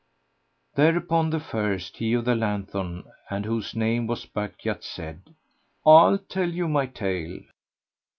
Thereupon the first, he of the lanthorn and whose name was Bukhayt, said, "I'll tell you my tale."